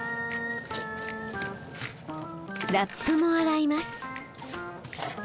ラップも洗います。